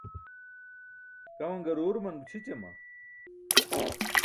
Kaman garuuruman gućʰićama?